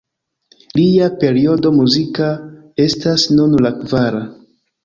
Lia periodo muzika estas nun la kvara.